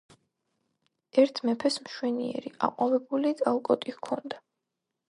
ერთ მეფეს მშვენიერი, აყვავებული წალკოტი ჰქონდა.